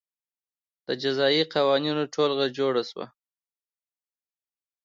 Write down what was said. د جزايي قوانینو ټولګه جوړه شوه.